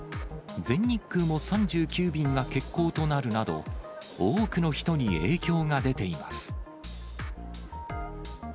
全日空も３９便が欠航となるなど、多くの人に影響が出ています。